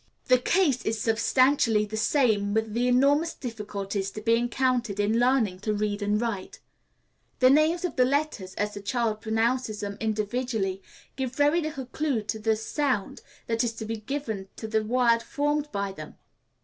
The case is substantially the same with the enormous difficulties to be encountered in learning to read and to write. The names of the letters, as the child pronounces them individually, give very little clue to the sound that is to be given to the word formed by them.